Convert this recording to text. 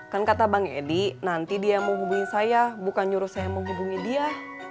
kan kata bang edi nanti dia yang menghubungi saya bukan nyuruh saya menghubungi dia